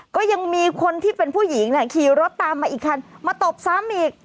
ก็ยังมีคนที่เป็นผู้หญิงขี่รถตามมาอีกคันมาตบซ้ำอีก